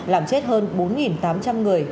làm chết hơn bốn tám trăm linh người